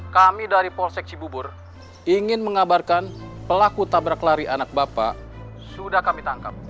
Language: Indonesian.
kami dari polsek cibubur ingin mengabarkan pelaku tabrak lari anak bapak sudah kami tangkap